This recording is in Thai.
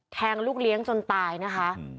แทงลูกเลี้ยงจนตายนะคะ